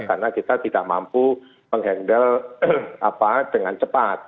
karena kita tidak mampu menghandle apa dengan cepat